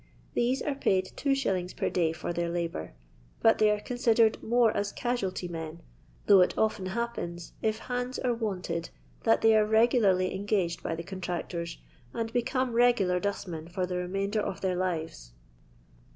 These are pud 2«. per day for their labour, but they are considered more as casualty men, though it often happens, if "hands'* are wanted, that they are regularly en gaged by the contractors, and become reguUr dost men for the remainder of their lives.